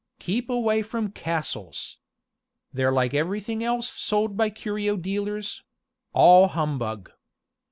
Keep away from castles. They're like everything else sold by curio dealers all humbug.